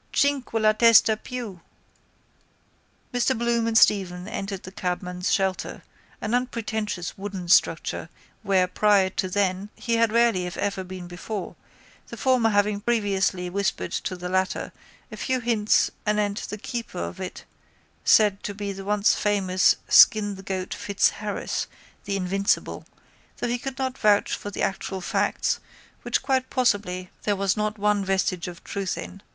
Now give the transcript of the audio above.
Cinque la testa più..._ Mr Bloom and Stephen entered the cabman's shelter, an unpretentious wooden structure, where, prior to then, he had rarely if ever been before, the former having previously whispered to the latter a few hints anent the keeper of it said to be the once famous Skin the Goat Fitzharris, the invincible, though he could not vouch for the actual facts which quite possibly there was not one vestige of truth in.